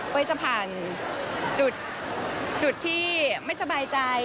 จะผ่านจุดที่ไม่สบายใจ